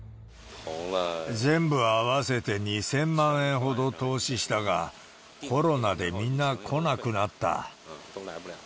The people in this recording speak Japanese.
全部合わせて２０００万円ほど投資したが、コロナでみんな来なくなった。